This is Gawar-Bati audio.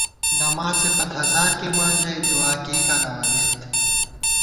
نماڅے پت ہزار کېئیمان ژَئی دُعا کېئیکاں نہ ووئیمېت